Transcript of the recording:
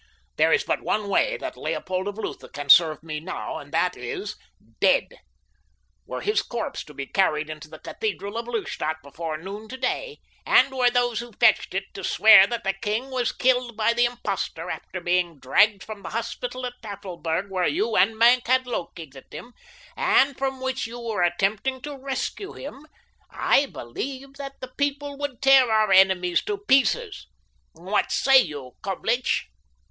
"There is but one way that Leopold of Lutha can serve me now, and that is—dead. Were his corpse to be carried into the cathedral of Lustadt before noon today, and were those who fetched it to swear that the king was killed by the impostor after being dragged from the hospital at Tafelberg where you and Maenck had located him, and from which you were attempting to rescue him, I believe that the people would tear our enemies to pieces. What say you, Coblich?"